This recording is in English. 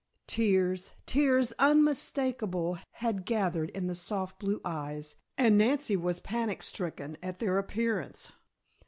Tears, tears unmistakable had gathered in the soft blue eyes, and Nancy was panic stricken at their appearance.